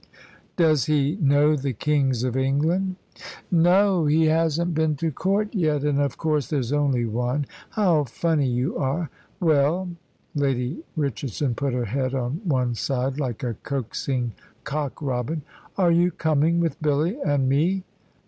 "Does he know the kings of England?" "No; he hasn't been to Court yet, and of course, there's only one. How funny you are! Well," Lady Richardson put her head on one side like a coaxing cock robin, "are you coming with Billy and me?